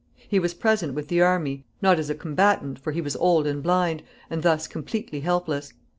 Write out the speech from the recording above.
He was present with the army, not as a combatant, for he was old and blind, and thus completely helpless.